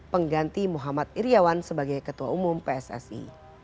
pengganti muhammad iryawan sebagai ketua umum pssi